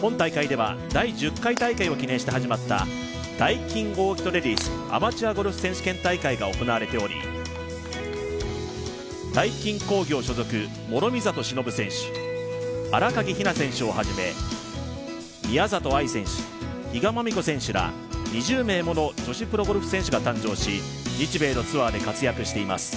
本大会では第１０回大会を記念して始まったダイキンオーキッドレディスアマチュア選手権大会が行われておりダイキン工業所属、諸見里しのぶ選手、新垣比菜選手をはじめ宮里藍選手、比嘉真美子選手ら２０名もの女子プロゴルフ選手が誕生し日米のツアーで活躍しています。